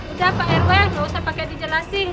udah pak rw nggak usah pakai dijelasin